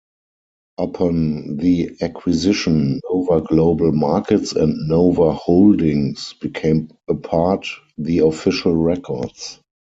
Upon the acquisition Nova Global Markets and Nova Holdings became apart the official records.